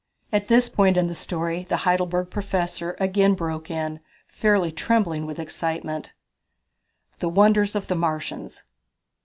At this point in the story the Heidelberg Professor again broke in, fairly trembling with excitement: The Wonders of the Martians!